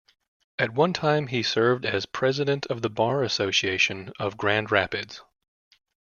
At one time he served as President of the Bar Association of Grand Rapids.